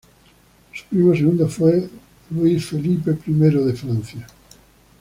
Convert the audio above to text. Su primo segundo fue Luis Felipe I de Francia.